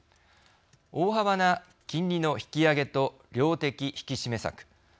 大幅な金利の引き上げと量的引き締め策。